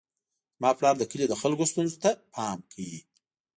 زما پلار د کلي د خلکو ستونزو ته پام کوي.